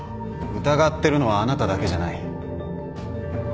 疑ってるのはあなただけじゃない。